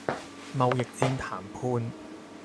貿易戰談判